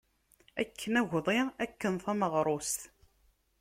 Akken agḍi, akken tameɣrust.